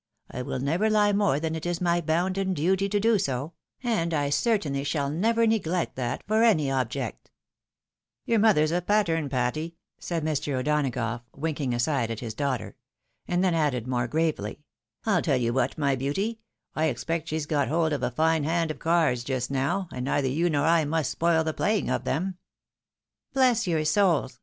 I wiU never lie more than it is my bounden duty to do — and I certainly shall never neglect that, for any object." " Your mother's a pattern, Patty," said Mr. O'Donagough, winking aside at his daughter. And then added, more gravely, " I'U teU you what, my beauty, I expect she's got hold of a fine hand of cards just now, and neither you nor I must spoil the playing of them." " Bless your souls